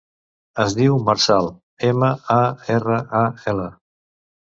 Es diu Marçal: ema, a, erra, a, ela.